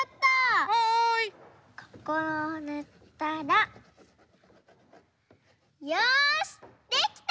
ここをぬったらよしできた！